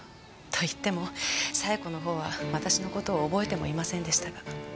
といっても冴子の方は私の事を覚えてもいませんでしたが。